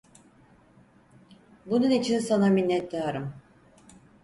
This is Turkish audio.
Bunun için sana minnettarım.